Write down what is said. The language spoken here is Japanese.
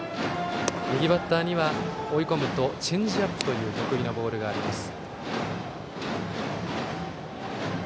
右バッターには追い込むとチェンジアップという得意のボールがあります。